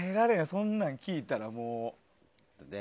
そんなん聞いたら。